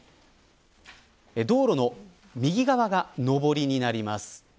道路の右側が上りになります。